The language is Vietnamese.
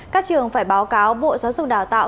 các trường phải báo cáo bộ giáo dục đào tạo